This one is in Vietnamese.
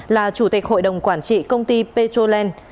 là chủ tịch hội đồng quản trị công ty petroland